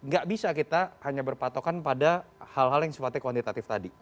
gak bisa kita hanya berpatokan pada hal hal yang sifatnya kuantitatif tadi